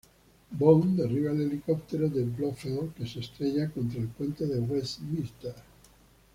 Bond derriba el helicóptero de Blofeld, que se estrella contra el Puente de Westminster.